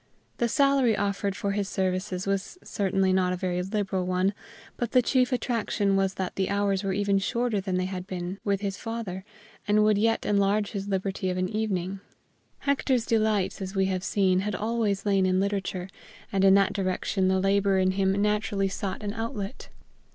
The salary offered for his services was certainly not a very liberal one, but the chief attraction was that the hours were even shorter than they had been with his father, and would yet enlarge his liberty of an evening. Hector's delights, as we have seen, had always lain in literature, and in that direction the labor in him naturally sought an outlet.